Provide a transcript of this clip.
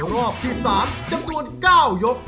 รอบที่๓จำนวน๙ยก